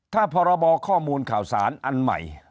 ถ้าพรบข้อมูลข่าวสารอันใหม่